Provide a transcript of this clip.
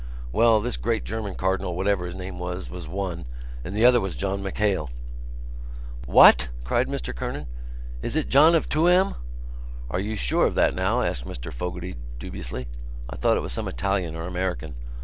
"Well, this great German cardinal, whatever his name was, was one; and the other was John MacHale." "What?" cried Mr Kernan. "Is it John of Tuam?" "Are you sure of that now?" asked Mr Fogarty dubiously. "I thought it was some Italian or American."